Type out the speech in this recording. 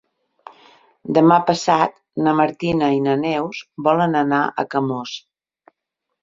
Demà passat na Martina i na Neus volen anar a Camós.